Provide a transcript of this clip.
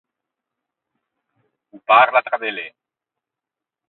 O parla tra de lê.